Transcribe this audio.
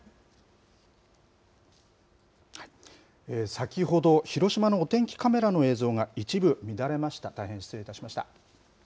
先ほど、広島のお天気カメラの映像が一部乱れました、大変失礼いたしまし